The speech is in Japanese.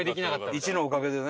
「１」のおかげでね。